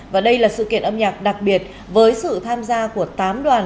và đây là sự kiện âm nhạc đặc biệt với sự tham gia của tám đoàn